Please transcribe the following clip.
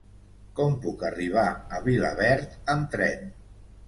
Com puc arribar a Vilaverd amb tren?